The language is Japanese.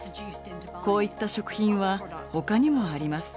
こういった食品は他にもあります。